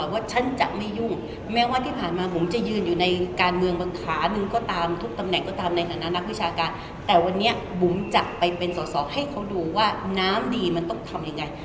ว่าฉันจะไม่ยุ่งแม้ว่าที่ผ่านมาบุ๋มจะยืนอยู่ในการเมืองบางขาหนึ่งก็ตามทุกตำแหน่งก็ตามในฐานะนักวิชาการแต่วันนี้บุ๋มจะไปเป็นสอสอให้เขาดูว่าน้ำดีมันต้องทำยังไง